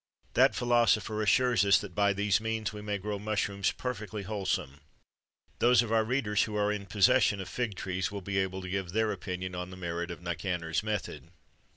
That philosopher assures us that by these means we may grow mushrooms perfectly wholesome.[XXIII 121] Those of our readers who are in possession of fig trees will be able to give their opinion on the merit of Nicander's method.